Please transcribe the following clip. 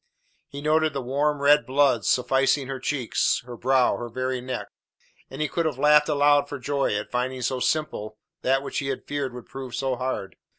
He noted the warm, red blood suffusing her cheeks, her brow, her very neck; and he could have laughed aloud for joy at finding so simple that which he had feared would prove so hard.